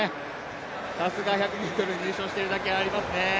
さすが１００ｍで入賞しているだけありますね。